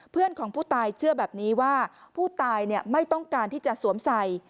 เพื่อนของผู้ตายเชื่อแบบนี้ว่าผู้ตายไม่ต้องการที่จะสวมใส่